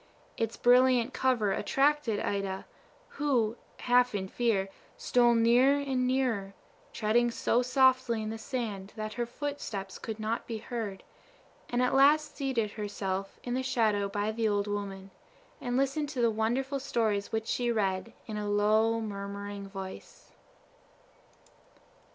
Its brilliant cover attracted Ida, who, half in fear, stole nearer and nearer, treading so softly in the sand that her foot steps could not be heard, and at last seated herself in the shadow by the old woman, and listened to the wonderful stories which she read, in a low, murmuring voice.